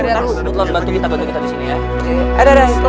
buat lo bantu kita di sini ya